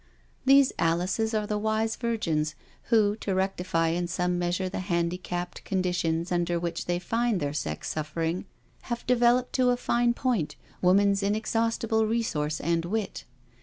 These Alices are the wise virgins who, to rectify in some measure the handicapped conditions under which they find their sex suffering, have developed to a fine point woman's inexhaustible resource and wit.